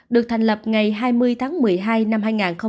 được thành lập ngày hai mươi tháng một mươi hai năm hai nghìn một mươi ba